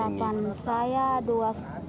harapan saya dua